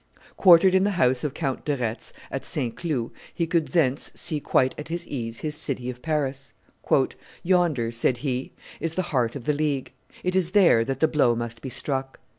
Quartered in the house of Count de Retz, at St. Cloud, he could thence see quite at his ease his city of Paris. "Yonder," said he, "is the heart of the League; it is there that the blow must be struck.